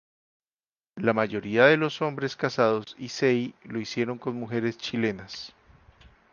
La mayoría de los hombres casados "Issei", lo hicieron con mujeres chilenas.